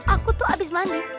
aku tuh abis mandi